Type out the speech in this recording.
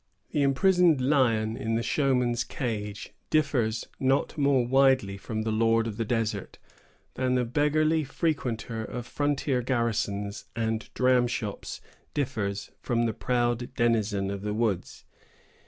The imprisoned lion in the showman's cage differs not more widely from the lord of the desert, than the beggarly frequenter of frontier garrisons and dramshops differs from the proud denizen of the woods.